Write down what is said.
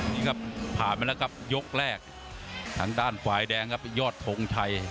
นี่ครับผ่านมาแล้วครับยกแรกทางด้านฝ่ายแดงครับยอดทงชัย